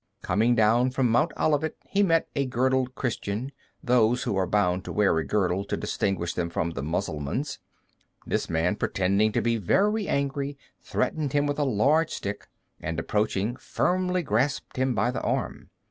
Coming down from Mount Olivet he met a girdled Christian, those who are bound to wear a girdle to distinguish them from the Mussulmans; this man, pretending to be very angry, threatened him with a large stick, and approaching, firmly grasped him by the arm.